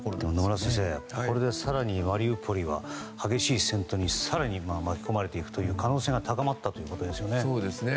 野村先生、これで更にマリウポリは激しい戦闘に更に巻き込まれていくという可能性が高まったということですよね。